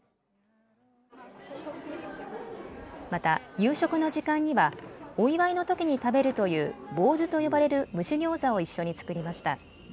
また夕食の時間にはお祝いのときに食べるというボーズと呼ばれる蒸しギョーザを一緒に作りました。